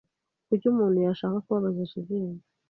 Kuki umuntu yashaka kubabaza Jivency?